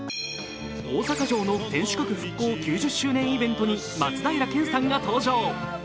大阪城の天守閣復興９０周年イベントに松平健さんが登場。